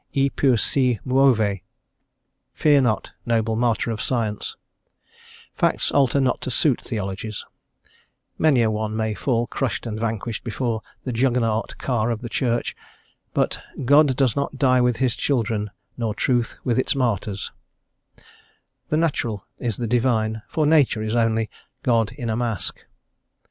E pur si muove! Fear not, noble martyr of science: facts alter not to suit theologies: many a one may fall crushed and vanquished before the Juggernaut car of the Church, but "God does not die with His children, nor truth with its martyrs;" the natural is the divine, for Nature is only "God in a mask."